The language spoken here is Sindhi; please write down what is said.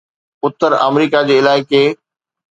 اتر آمريڪا جي علائقي